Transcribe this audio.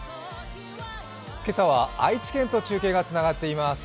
今朝は愛知県と中継がつながっています。